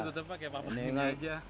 itu pakai papan ini aja